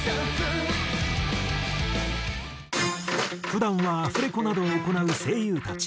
普段はアフレコなどを行う声優たち。